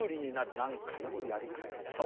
何回もやり返すと。